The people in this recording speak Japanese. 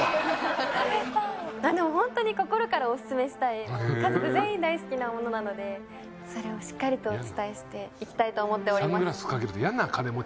でもホントに心からオススメしたい家族全員大好きなものなのでそれをしっかりとお伝えしていきたいと思っております。